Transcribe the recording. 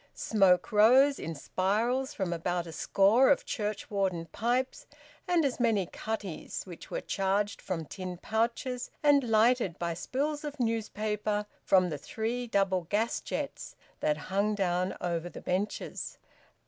Smoke rose in spirals from about a score of churchwarden pipes and as many cutties, which were charged from tin pouches, and lighted by spills of newspaper from the three double gas jets that hung down over the benches.